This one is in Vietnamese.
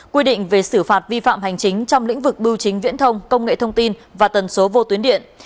quy định về xử phạt vi phạm hành chính trong lĩnh vực bưu chính viễn thông công nghệ thông tin và tần số vô tuyến điện